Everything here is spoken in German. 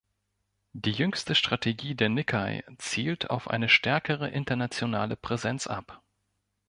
Die jüngste Strategie der Nikkei zielt auf eine stärkere internationale Präsenz ab.